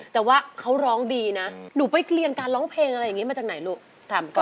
แต่ว่าเขาร้องดีนะหนูไปเกลียนการร้องเพลงอะไรอย่างนี้มาจากไหนลูกถามก่อน